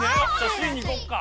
Ｃに行こっか。